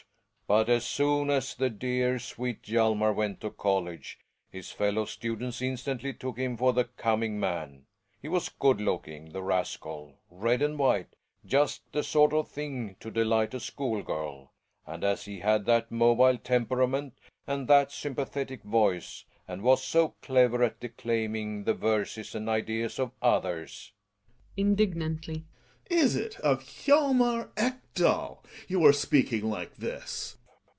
But as soon as the dear, sweet t)^ jy^ Hjalmar went to college, his fellow students instantly took him for the coming man. He was good looking, the rascal — red and white — just the sort of thing to delight a school girl — and as he had that mobile temperament and that sympathetic voice, and was so clever at declaiming the verses and ideas of others Gregers {indignantly). Is it of Hjalmar Ekdal you are speaking like this